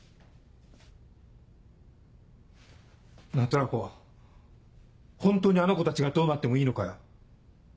トラコホントにあの子たちがどうなってもいいのかよ？